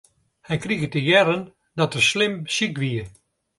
Hy krige te hearren dat er slim siik wie.